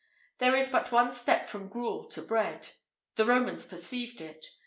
[IV 42] There is but one step from gruel to bread: the Romans perceived it.